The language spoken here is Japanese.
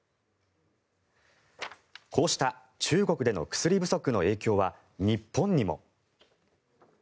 こうした中国での薬不足の影響は日本にも。